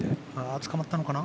つかまったのかな？